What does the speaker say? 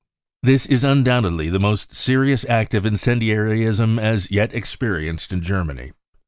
" This is undoubtedly the most serious act 0 of incen diarism as yet experienced in Germany.